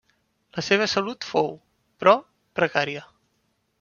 La seva salut fou, però, precària.